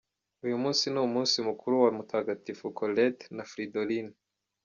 Uyu munsi ni umunsi mukuru wa Mutagatifu Colette, na Fridolin.